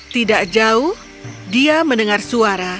tidak jauh dia mendengar suara